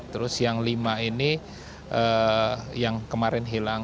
terus yang lima ini yang kemarin hilang